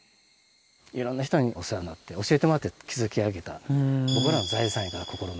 いろんな人にお世話になって、教えてもらって築き上げた、僕らの財産やから、心の。